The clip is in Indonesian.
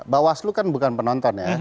bawaslu kan bukan penonton ya